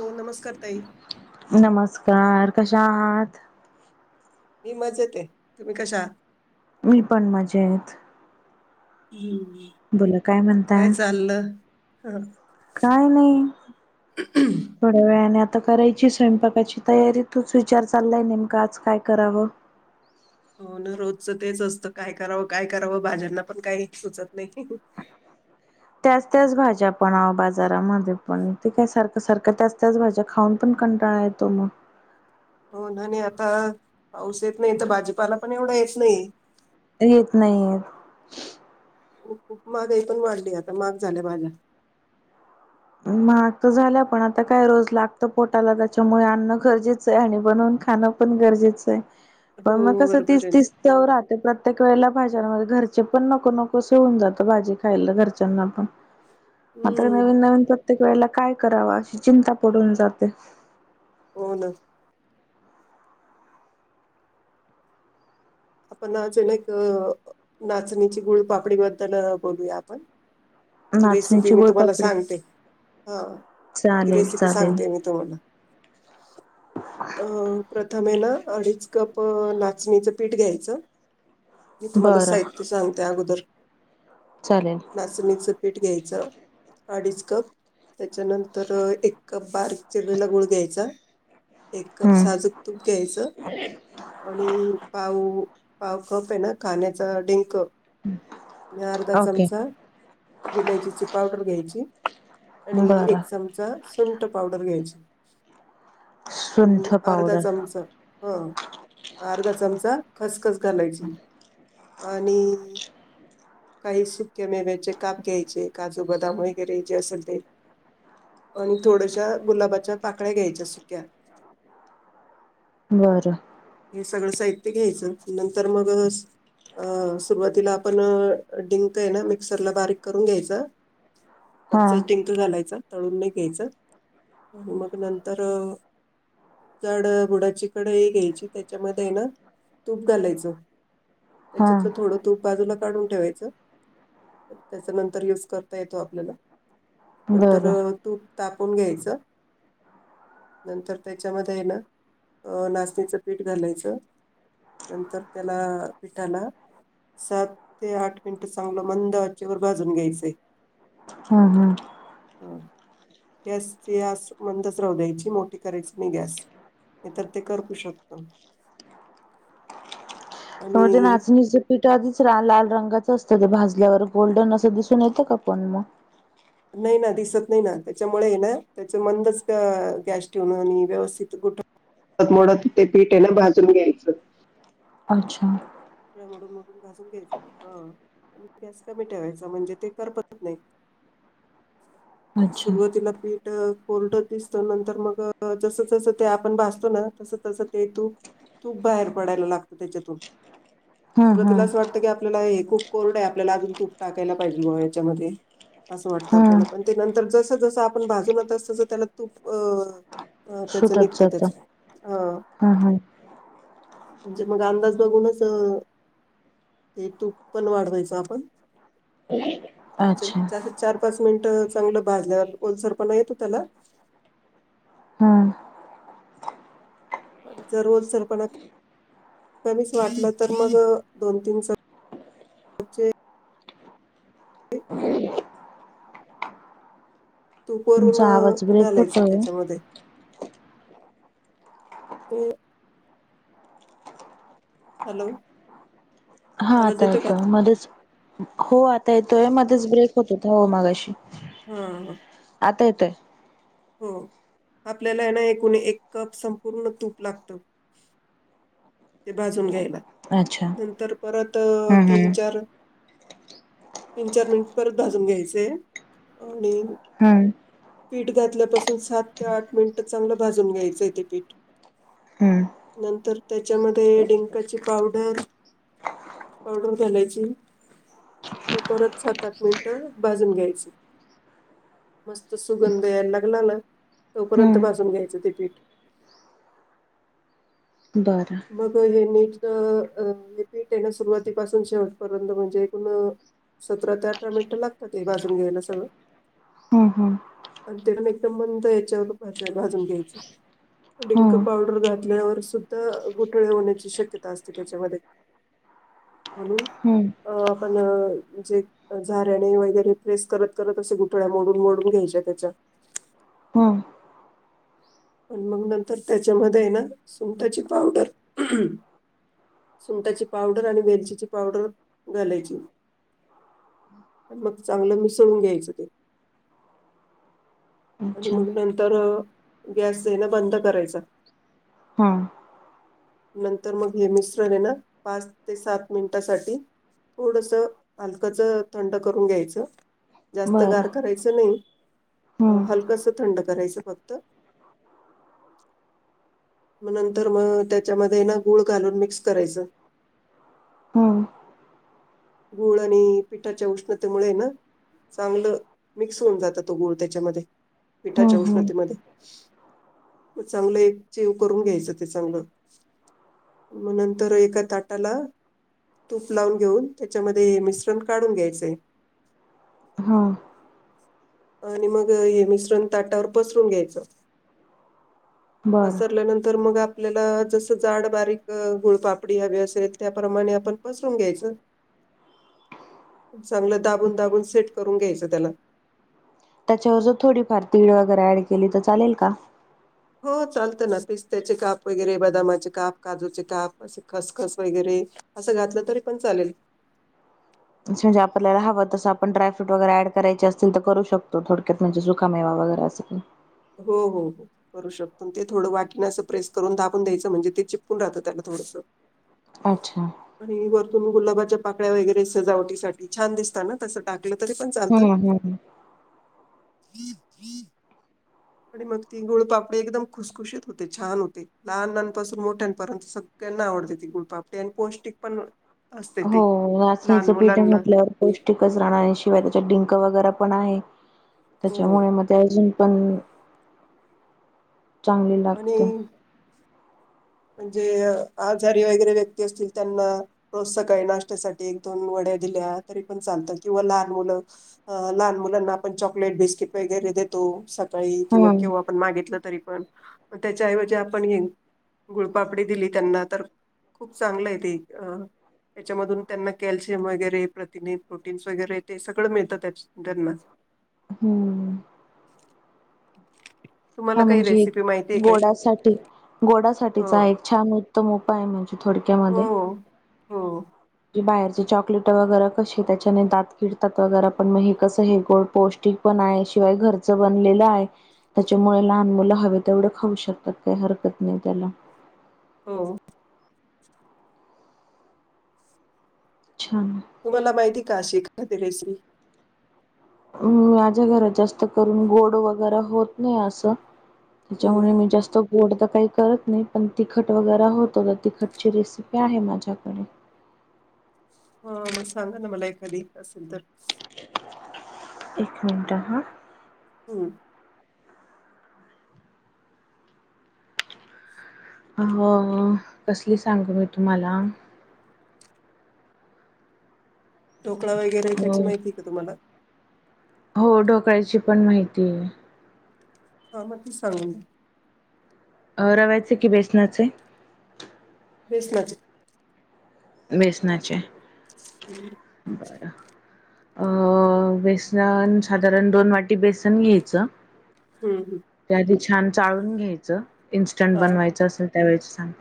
हो नमस्कार ताई नमस्कार कशा आहात. मी मजेत आहे, तुम्ही कशा आहात. मी पण मजेत. हम्म! बोला काय म्हणताय चाललं ह काय नाही ता करायची स्वयंपाकाची तयारी तूच विचार चाललाय नेमका आज काय करावं. हो ना! रोजच तेच असतं काय करावं, काय करावं भाज्यांना पण काही सुचत नाही. [unintelligible] त्याच, त्याच भाज्या पण बाजारामध्ये पण ते काय सारखं, सारखं त्याच त्याच भाज्या खाऊन पण क टा येतो मग, होन आता पाऊस येत नाही तर भाजीपाला पण एवढा येत नाही. येत नाहीय. खूप मगाई पण वाढली आता माग झाल्या भाज्या, हम्! महाग तर झाल्या पण आता काय रोज लागत. पोटाला त्याच्यामुळे अन्न गरजेचं आहे आणि बनवून खाणं पण, गरजेचा आहे. पण म हो कस बरोबर तेच आहे तेच त्यावर राहतंय प्रत्येक वेळेला बाजारमध्ये घरचे पण नको नको सो होऊन जातं भाजी खायला घरच्यांना पण, आता हम्म नवीन नवीन प्रत्येक वेळेला काय करावं अशी चिंता पडून जाते. हो ना! आपण अजूनून एक एक नाचणीची गुळपापडी बद्दल बोलूया आपण, ती रेसिपी नाचणीची मी तुम्हाला गुळपापडी सांगते, हो ती चालेल रेसिपी चालेल सांगते मी तुम्हाला, अ प्रथमे ना अडीच कप नाचणीचं पीठ घ्यायचं, मी तुम्हाला बरं साहित्य सांगते अगोदर, चालेल. नाचणीच पीठ घ्यायच अडीच कप, त्याच्यानंतर एक कप बारीक चिरलेला गुळ घ्यायचा, एक कप साजूक हम्म तूप घ्यायचं, आणि पाव पाव खप आहे ना खाण्याचा डिंक, आणि अर्धा ओके चमचा विलायचीची पावडर घ्यायची, आणि बरं एक चमचा सुंट पावडर घ्यायची, आणि सुंठ अर्धा पावडर चमचा ह अर्धा चमचा खसखस, घालायची आणि काही सुके मेव्याचे काप घ्यायचे काजू, बदाम वैगैरे जे असल ते, आणि थोड्याश्या गुलाबाच्या पाकळ्या घ्यायच्या सुक्या, बरं! हे सगळं साहित्य घ्यायचं नंतर मग अ सुरुवातीला आपण डिंक आहे ना मिक्सरला बारीक करून घ्यायच. कच्च हां डिंक घालायचा. तळून नाही घ्यायचं आणि मग नंतर जड बुडाची कडई घ्यायची त्याच्यामध्ये ना तूप घालायच हां त्याच्यातलं थोडं तूप बाजूला काढून ठेवायचं त्याच्या नंतर युज करता येतो आपल्याला नंतर बरं तू तापून घ्यायच नंतर त्याच्यामध्ये आहे ना नाशणीच पीठ घालायचं नंतर त्याला पिठाला सात ते आठ मिनिट चांगलं मंद आचेवर भाजून घ्यायचे हम्म हम्म हम गसस मंदच राहू द्यायची मोठी करायची नाही गॅस नाही तर ते करपू शकतो तम त जे नाचणीचे पीठ आधीच लाल रंगाच असतं ते भाजल्यावर गोल्डन असं दिसून येतं का पण मग नाही ना दिसत नाही ना त्याच्यामुळे ना त्याच मंदच गॅस ठेवण आणि व्यवस्थित गुठ त मोड तिथ ते पीठ आहे ना भाजून घ्यायचं अच्छा मडून मडून भाजून घ्यायचे हा गॅस कमी ठेवायचा म्हणजे ते करपत नाही अच्छा. सुरुवातीला पीठ कोरड दिसतो नंतर मग जस तसं ते आपण भासतो ना तस तस ते तू तूप बाहेर पडायला लागतं त्याच्यातून हम्म सुरुवातीला हम्म असं वाटतं की आपल्याला हे खूप कोरड आहे आपल्याला अजून तूप टाकायला पाहिजे ग याच्यामध्ये असं वाटतं हम्म आपल्याला पण ते नंतर जसं जसं आपण भाजूनात असतस त्याला तूपं अ त्याच सुटत निघत जात त्याच हम्म अ हम्म म्हणजे मग अमंदाज बघूनच ते तूप पण वाढवायचं आपण अच्छा चार पाच मिनट चांगलं भाजल्यावर ओलसरपणा येतो त्याला हम्म आणि जरोल सरपणा कमीच वाटलं तर मग दोन तीन स तुमचा आवाज तूपवरून ब्रेक घालायचं होतोय त्याच्यामध्ये त हॅलो हा आवाज आता येतो का आता मध्येच हो आता येतोय मध्येच ब्रेक होत होता हो मागाशी हम आता येतोय हो आपल्याला हना एकूण एक कप संपूर्ण तूप लागतं ते भाजून घ्यायला अच्छा नंतर परत तीन हम्म चार तीन चार मिनिट परत भाजून घ्यायचेय आणि हम्म पीठ घातल्यापासून सात ते आठ मिनिटं चांगलं भाजून घ्यायचंय ते पीठ हम्म नंतर त्याच्यामध्ये डिंकाची पावडर पावडर घालायची परत सात आठ मिनिटं भाजून घ्यायची मस्त सुगंध यायला लागला ना तोपर्यंत हम्म भाजून घ्यायचं ते पीठ [inaudible] हम्म बरं मग हे नीट अ पीठ येण्या सुरुवातीपासून शेवटपर्यंत म्हणजे एकूण सतरा ते अठरा मिनिटं लागतात ते भाजून घ्यायला सगळं हम्म हम्म आणि ते पण मंद यांच्यावर भाजून घ्यायच डिंक हम्म पावडर घातल्यावर सुद्धा गोठळे होण्याची शक्यता असते त्याच्यामध्ये म्हणून हम्म अ पण जे झाारणे वगैरे प्रेस करत करत, असे गुठळ्या मोडून मोडून घ्यायच्या त्याच्या. हं. पण मग नंतर त्याच्यामध्ये आहे ना, सुंटाची पावडर सुंटाची पावडर आणि वेलचीची पावडर घालायची. आणि मग चांगलं मिसळून घ्यायचं ते. आणि अच्छा मग नंतर गॅस येणं बंद करायचं. हम्म. नंतर मग हे मिश्रण हेना पाच ते सात मिनिटांसाठी थोडसं हलकंच थंड करून घ्यायचं. जास्त बरं गार करायचं नाही, हम्म हलकंस थंड करायचं फक्त. मग नंतर मग त्याच्यामध्ये ना गूळ घालून मिक्स करायचं. हम्म. गुळ आणि पिठाच्या उष्णतेमुळे हायना चांगलं मिक्स होऊन जातं तो गूळ त्याच्यामध्ये, हम्म पिठाच्या हम्म उष्णतेमध्ये. मग चांगलं एकजीव करून घ्यायचं ते चांगलं. मग नंतर एका ताटाला तूप लावून घेऊन त्याच्यामध्ये मिश्रण काढून घ्यायचंय. हा. आणि मग हे मिश्रण ताटावर पसरून घ्यायचं. बरं पसरल्यानंतर मग आप ल्याला जसं जाड बारीक गुळपापडी हवी असेल, त्याप्रमाणे आपण पसरून घ्यायचं. चांगलं दाबून दाबून सेट करून घ्यायचं त्याला. त्याच्यावर जर थोडीफार तीळ वगैरे ऍड केली, तर चालेल का? हो चालतं ना. पिस्त्याचे काप वगैरे, बदामाचे काप, काजूचे काप असे खसखस वगैरे असं घातलं तरीपण चालेल. म्हजे आपल्याला हहावंसं आप ड्रायफ्रट वगैर ऍड करायचे असतील, तर करू शकतो थोडक्यात म्हणजे सुुका मेवा व गव्हाचं पीठ हो हो हो करू शकतो. ते थोडं वाटन असं प्रेस करून दाबून द्यायचं म्हणजे ते चिपकून राहतं त्याला थोडसं अच्छा. तुम्ही गुलाबाच्या पाकळ्या वगैरे सजावटीसाठी छान दिसताना तस का दिलं तरीपण चालतं. हम्म हम्म. आणि मग ती गुळपापडी एकदम खुसखुशीत होते, छान होते. लहाननांपासून मोठ्यांपर्यंत सगळे त्यांना आवडते, ती गुळपापडी पौष्टिक पण असते हो ते लहान नाचणीचं पीठ मुलांना म्हटल्यावर पौष्टिकच राहणार, शिवाय डिंक वगैरेपण आहे, हो त्याच्यामुळे मग त्याऐवजी पण, चांगली आणि लागते. म्हणजे आजारी वगैरे व्यक्ती असतील, त्यांना प्रोत्सक आहे. नाशत्यासाठी एक दोन वडे दिल्या तरीपण चालतं किंवा लहान मुलं, लहान मुलांना आपण चॉकलेट बिस्कीट वगैरे दे तो सकाळी हम्म किंवा किंवा आपण मागितलं तरीपण, मग त्याच्या ऐवजी आपण गुळपापडी दिली त्यांना, तर खूप चांगलं आहे ते. अ त्याच्यामधून त्यांना कॅल्शियम वगैरे प्रतिने, प्रोटीन्स वगैरे ते सगळं मिळतं. त्या त्यांना हम्म. हा तुम्हाला काही म्हणजे रेसिपी माहि गोडासाठी हो गोडासाठीचा एक छान उत्तम उपाय म्हणजे थोडी हो क्यामध्ये. हो ही बाहेरचे चॉकलेट वगैरे कशी त्याच्याने दात किडतात वगैरे, पण मग हे कसं हे गोड पौष्टिक पण हाय शिवाय घरचा बनलेलं हाय. त्याच्यामुळे लहान मुलं हवे तेवढं खाऊ शकतात, काही हरकत नाही त्याला. हो. अच्छा तुम्हाला माहिती का शेखादि रेसिपी माझ्या घरात जास्त करून गोड वगैरे होत नाही असं हम्म त्याच्यामुळे मी जास्त गोड तर काही करत नाही पण तिखट वगैरे होतो त तिखटची रेसिपी आहे माझ्याकडे [inaudible] हा मग सांगा ना मला एखाधी असेल तर एक मिनट हा हम अ कसली सांगू मी तुम्हाला ढोकळा वगैरे अ त्याची माहिती का तुम्हाला हो ढोकळ्याची पण माहिती हा मग ते सांगू अ रव्याचे कि बेसनाचे बेसनाचे बेसनाचे हम्म अं बेसन साधारण दोन वाटी बेसन घ्यायचं हम् ते आधी छान चाळून घ्यायचं इन्स्टंट हा बनवायचं असेल त्यावेळेच सांग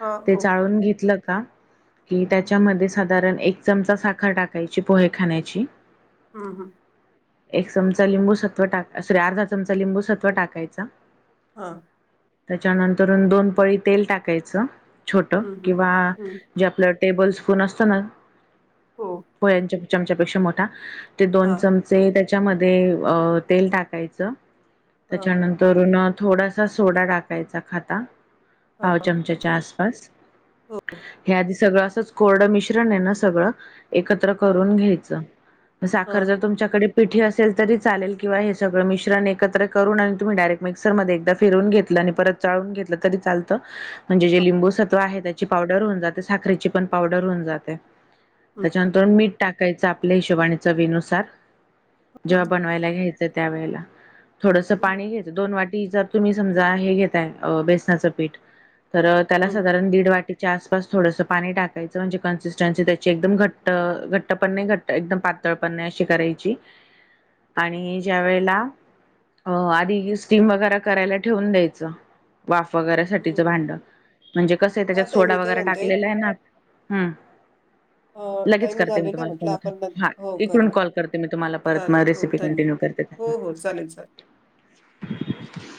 हा ते हो चाळून घेतलं कि त्याच्यामध्ये साधारण एक चमचा साखर टाकायची पोहे खाण्याची हा हा एक चमचा लिंबूसत्व टाका अर्धा चमचा लिंबूसत्व टाकायच हा त्याच्यानंतर दोन पळी तेल टाकायचं छोट हम्म हम्म किंवा हम्म जे आपलं टेबल स्पून असतो ना हो पोयांच्या चमचापेक्षा मोठा ते दोन हा चमचे त्याच्यामध्ये अ तेल टाकायचं हा त्याच्यानंतरन थोडासा सोडा टाकायचा खाता हा भाव चमचा जास्त हो हे आधी सगळं असंच कोरडं मिश्रण आहे ना सगळं एकत्र हा करून घ्यायचं साखर हां जर तुमच्याकडे पिठी असेल तरी चालेल किंवा हे सगळं मिश्रण एकत्र त डायरेक् मिक्सर म फिरवून घेतल आणि परत ून घेतलं तरी चालत म्हणजे जे लिंबू व आहे त्याची पावडर होऊन जाते साखरेची पण पावडर होऊन जाते हां त्याच्यानंतर मीठ टाकायचं आपल्या हिशोबाने चवीनुसार हां जेव्हा बनवायला घ्यायचं त्या वेळे ला थोडस पाणी घ्यायं दोन वाटी त तुम्ही समजा हे घेताय बेसनाचं पीठ तर त्याला हं साधारण दीड वाटी आसपास थोडस पाणी टाकायचं म्हणजे कन्सिस्टन्सी त्याची एकदम घट्ट घट्ट पण नाही घट एकदम पातळ पणे अशी करायची आणि ज्या वेळेला अ आधी स्टीम वगैरे करायला ठेवून द्यायचं वाफ वगैरे साठीचं भांड म्हणजे कसं आहे हां त्याच्यात ताई सोडा मी काय वगैरे म्हणते टाकलेला आहे ना हम् [inaudible] टाईम झालेला म्हटलं आपण हा हो इकडून करा कॉल करते मी तुम्हाला परत चालेल मग हो रेसिपी धन्यवाद कंटिन्यू करते त्याला हो हो चालेल चालेल [inaudible]